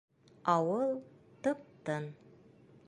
Ауыл тып-тын.